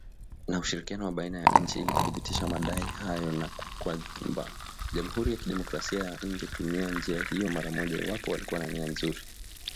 Na ushirikiano wa baina ya nchi ili kuthibitisha madai hayo na kwamba Jamuhuri ya kidemokrasia ya ingetumia njia hiyo mara moja iwapo walikuwa na nia nzuri